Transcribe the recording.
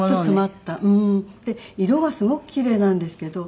色がすごく奇麗なんですけど。